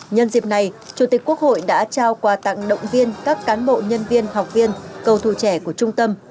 nhân dịp này chủ tịch quốc hội đã trao quà tặng động viên các cán bộ nhân viên học viên cầu thủ trẻ của trung tâm